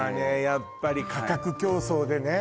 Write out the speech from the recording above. やっぱり価格競争でね